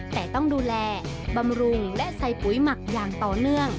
แต่ต้องดูแลบำรุงและใส่ปุ๋ยหมักอย่างต่อเนื่อง